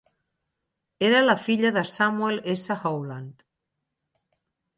Era la filla de Samuel S. Howland.